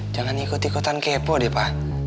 jangan ikut ikutan kepo deh pak